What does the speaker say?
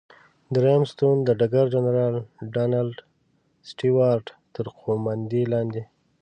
دریم ستون د ډګر جنرال ډانلډ سټیوارټ تر قوماندې لاندې.